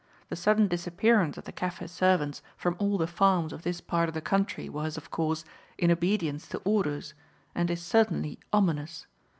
The sudden disappearance of the Kaffir servants from all the farms of this part of the country was, of course, in obedience to orders, and is certainly ominous.